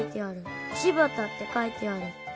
「芝田」ってかいてある。